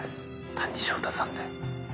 谷勝太さんだよ。